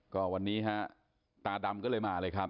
ก็วันนี้ฮะตาดำก็เลยมาเลยครับ